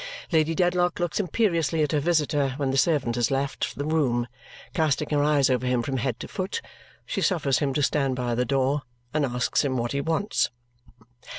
Lady Dedlock looks imperiously at her visitor when the servant has left the room, casting her eyes over him from head to foot. She suffers him to stand by the door and asks him what he wants.